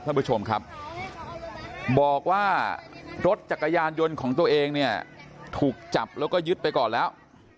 ท่านผู้ชมครับบอกว่ารถจักรยานยนต์ของตัวเองเนี่ยถูกจับแล้วก็ยึดไปก่อนแล้ว